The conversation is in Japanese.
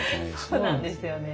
そうなんですよね。